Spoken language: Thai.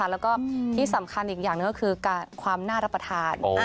แล้วก็ที่สำคัญอีกอย่างหนึ่งก็คือความน่ารับประทาน